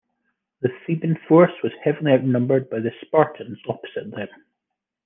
The Theban force was heavily outnumbered by the Spartans opposite them.